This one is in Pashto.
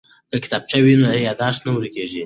که کتابچه وي نو یادښت نه ورکیږي.